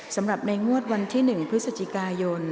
สำหรับในงวดวันที่๑พฤศจิกายน